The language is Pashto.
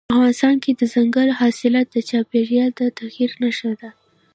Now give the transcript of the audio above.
افغانستان کې دځنګل حاصلات د چاپېریال د تغیر نښه ده.